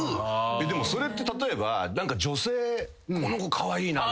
でもそれって例えば女性この子カワイイな。